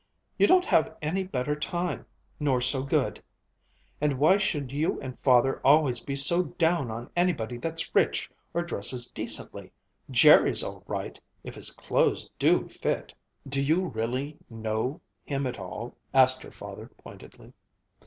You don't have any better time nor so good! And why should you and Father always be so down on anybody that's rich, or dresses decently? Jerry's all right if his clothes do fit!" "Do you really know him at all?" asked her father pointedly.